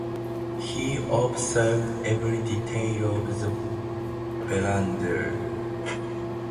He observed every detail of the verandah.